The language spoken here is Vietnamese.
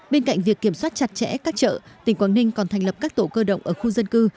bên cạnh việc kiểm soát chặt chẽ các chợ tỉnh quảng ninh còn thành lập các tổ cơ động ở khu dân cư